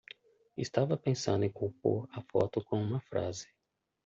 Estava pensando em compor a foto com uma frase